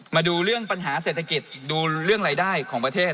มาดูเรื่องปัญหาเศรษฐกิจดูเรื่องรายได้ของประเทศ